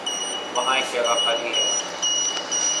وہاں ایک جگہ خالی ہے۔